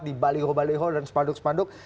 di baliho baliho dan sepanduk sepanduk